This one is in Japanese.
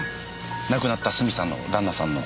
亡くなったスミさんの旦那さんの。